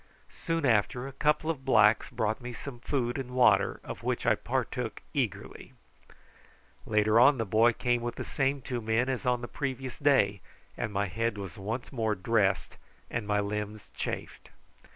Soon after a couple of blacks brought me some food and water, of which I partook eagerly. Later on the boy came with the same two men as on the previous day, and my head was once more dressed and my limbs chafed.